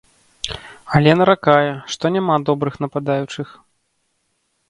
Але наракае, што няма добрых нападаючых.